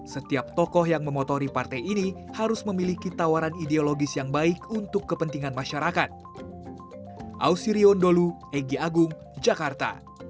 setiap tokoh yang memotori partai ini harus memiliki tawaran ideologis yang baik untuk kepentingan masyarakat